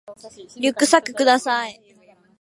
リュックサックください